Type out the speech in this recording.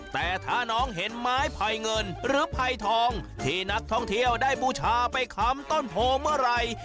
แต่ถ้าน้องเห็นไม้ไผ่เงินหรือไผ่ทองที่นักท่องเที่ยวได้บูชาไปคำต้นโพเมื่อไหร่